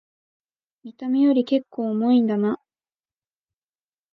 見た目よりけっこう重いんだな